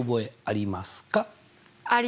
あります。